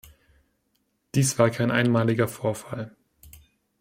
Dies war kein einmaliger Vorfall.